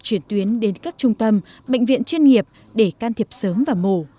chuyển tuyến đến các trung tâm bệnh viện chuyên nghiệp để can thiệp sớm và mổ